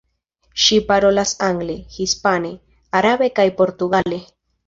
Ŝi parolas angle, hispane, arabe kaj portugale.